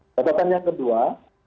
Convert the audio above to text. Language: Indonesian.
catatan yang kedua